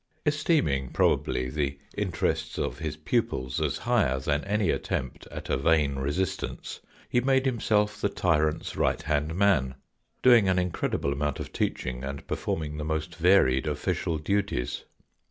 Esteeming probably the interests of his pupils as higher than any attempt at a vain resistance, he made himself the tyrant's right hand man, doing an incredible amount of teaching and performing the most varied official duties.